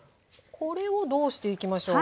これをどうしていきましょう？